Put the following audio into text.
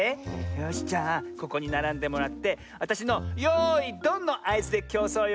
よしじゃあここにならんでもらってわたしのよいドンのあいずできょうそうよ。